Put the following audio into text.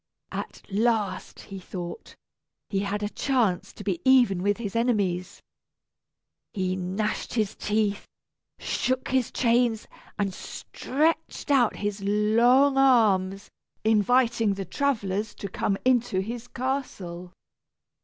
At last, he thought, he had a chance to be even with his enemies. He gnashed his teeth, shook his chains, and stretched out his long arms, inviting the travellers to come into his castle.